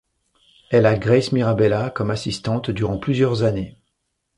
Elle a Grace Mirabella comme assistante durant plusieurs années.